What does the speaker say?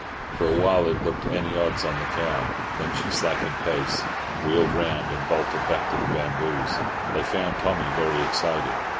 For a while it looked any odds on the cow; then she slackened pace, wheeled round, and bolted back to the bamboos. They found Tommy very excited.